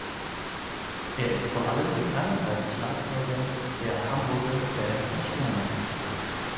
Er ist vor allem bekannt als Schlagzeuger der Hamburger Band Die Sterne.